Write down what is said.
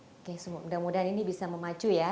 oke mudah mudahan ini bisa memacu ya